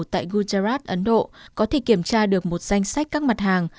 tại gujarat ấn độ có thể kiểm tra được một danh sách các mặt hàng